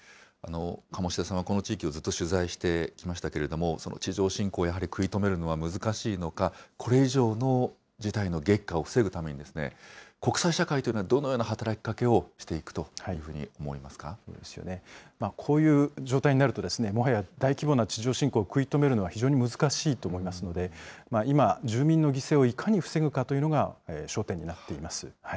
鴨志田さんはこの地域をずっと取材してきましたけれども、その地上侵攻をやはり食い止めるのは難しいのか、これ以上の事態の激化を防ぐために、国際社会というのはどのような働きかけをしこういう状態になると、もはや大規模な地上侵攻を食い止めるのは非常に難しいと思いますので、今、住民の犠牲をいかに防ぐかというのが焦点になっています。